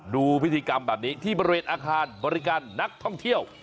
ดูพิธีกรรมแบบนี้ที่บริเวณอาคารบริการนักท่องเที่ยว